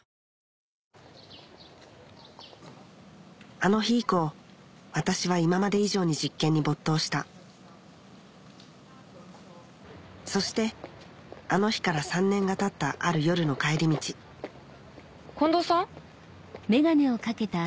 あの日以降私は今まで以上に実験に没頭したそしてあの日から３年が経ったある夜の帰り道近藤さん？